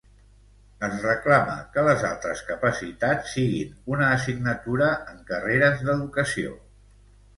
Es reclama que les altres capacitats siguin una assignatura en carreres d'educació.